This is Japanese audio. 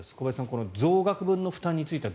この増額分の負担については